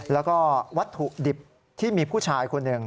แล้วก็วัตถุดิบที่มีผู้ชายคนหนึ่ง